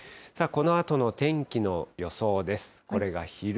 このあとの天気の予想です。